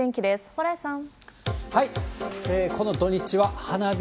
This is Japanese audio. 蓬莱さん。